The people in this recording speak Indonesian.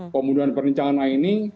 pembunuhan perencanaan ini